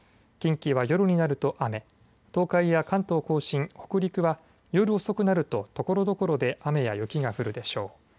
近畿は夜になると雨、東海や関東甲信、北陸は、夜遅くなるとところどころで雨や雪が降るでしょう。